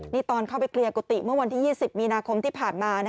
นี่ตอนเข้าไปเคลียร์กุฏิเมื่อวันที่๒๐มีนาคมที่ผ่านมา